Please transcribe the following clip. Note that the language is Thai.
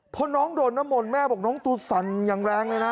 เพราะน้องโดนนมนต์แม่บอกน้องตูสันอย่างแรงเลยนะ